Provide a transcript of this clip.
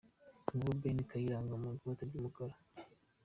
Nguwo Ben Kayiranga mu ikote ry'umukara.